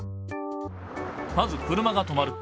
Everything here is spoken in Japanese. まず車が止まる。